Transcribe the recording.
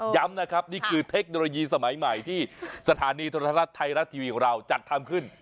ย้ำนะครับนี่คือเทคโนโลยีสมัยใหม่ที่สถานีโทรทัศน์ไทยรัฐทีวีของเราจัดทำขึ้น